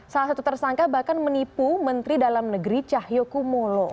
salah satu tersangka bahkan menipu menteri dalam negeri cahyokumolo